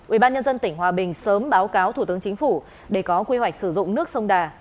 ủy ban nhân dân tỉnh hòa bình sớm báo cáo thủ tướng chính phủ để có quy hoạch sử dụng nước sông đà